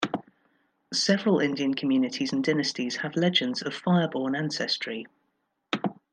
Several Indian communities and dynasties have legends of fire-born ancestry.